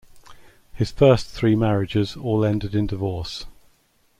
His first three marriages all ended in divorce.